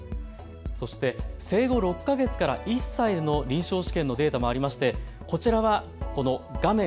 そして生後６か月から１歳の臨床試験のデータもありましてこちらはこの画面